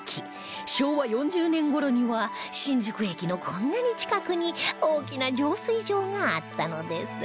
昭和４０年頃には新宿駅のこんなに近くに大きな浄水場があったのです